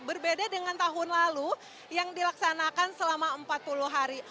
berbeda dengan tahun lalu yang dilaksanakan selama empat puluh hari